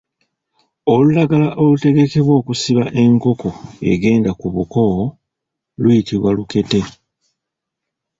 Olulagala olutegekebwa okusiba enkoko egenda ku buko luyitibwa lukete.